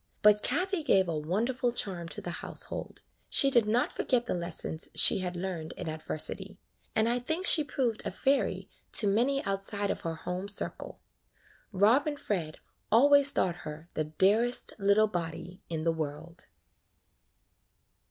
But Kathie gave a wonderful charm to the household. She did not forget the lessons she had learned in adversity, and I think she proved a fairy to many outside of her home circle. Rob and Fred always thought her the dearest little body in the world.